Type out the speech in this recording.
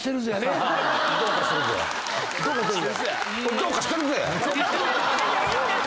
どうかしてるぜ。